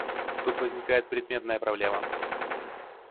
Тут возникает предметная проблема.